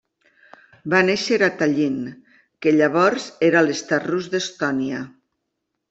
Va néixer a Tallinn, que llavors era l'estat rus d'Estònia.